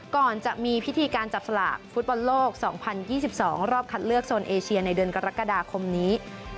ก่อนจะมีพิธีการจับสลักฟุตบันโลกสองพันยี่สิบสองรอบคัดเลือกโซนเอเชียในเดือนกรกฎาคมนี้